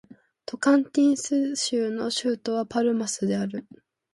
トカンティンス州の州都はパルマスである